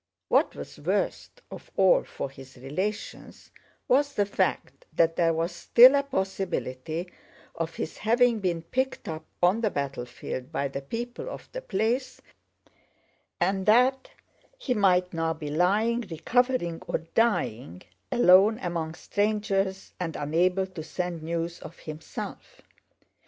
What was worst of all for his relations was the fact that there was still a possibility of his having been picked up on the battlefield by the people of the place and that he might now be lying, recovering or dying, alone among strangers and unable to send news of himself.